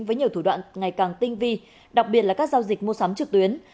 với nhiều thủ đoạn ngày càng tinh vi đặc biệt là các giao dịch mua sắm trực tuyến